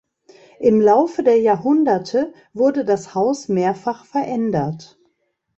Im Laufe der Jahrhunderte wurde das Haus mehrfach verändert.